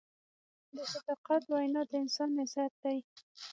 د صداقت وینا د انسان عزت دی.